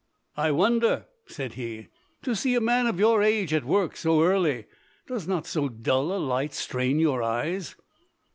"I wonder," said he, "to see a man of your age at work so early. Does not so dull a light strain your eyes?"